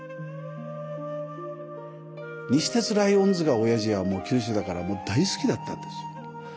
西鉄ライオンズがおやじはもう九州だからもう大好きだったんですよ。